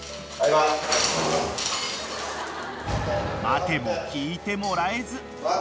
［待ても聞いてもらえず］